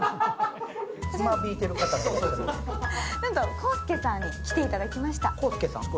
こーすけさんに来ていただきました。